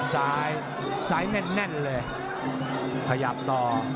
ซ้ายซ้ายแน่นเลยขยับต่อ